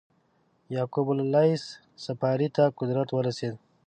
یعقوب اللیث صفاري ته قدرت ورسېد.